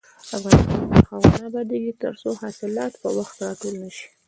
افغانستان تر هغو نه ابادیږي، ترڅو حاصلات په وخت راټول نشي.